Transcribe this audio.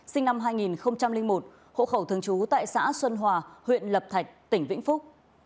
sinh năm hai nghìn một hộ khẩu thường trú tại xã xuân hòa huyện lập thạch tỉnh vĩnh phúc